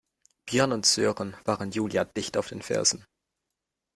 Björn und Sören waren Julia dicht auf den Fersen.